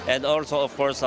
untuk kita untuk kita